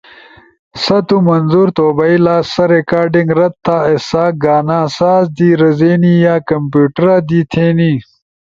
سا تُو منظور تو بئیلا۔ سا ریکارڈنگ رد تھا ایسا گانا ساز دی رزینی یا کمپیوٹرا دی تھے نی۔